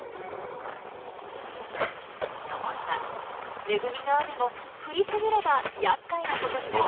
ところが恵みの雨も降り過ぎればやっかいなことになります。